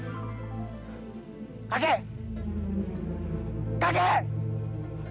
kau sudah berkata terlalu banyak kali